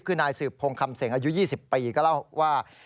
คือนายสืบพงคำเสงอายุ๒๐ปีก็เล่าว่า